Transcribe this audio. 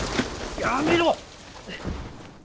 やめろ！